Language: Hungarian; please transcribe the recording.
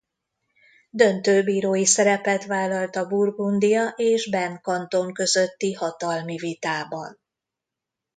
Döntőbírói szerepet vállalt a Burgundia és Bern kanton közötti hatalmi vitában.